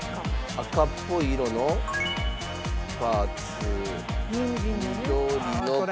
赤っぽい色のパーツ緑のパーツ。